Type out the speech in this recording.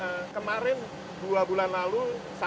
dalam waktu dekat kemarin dua bulan lalu satu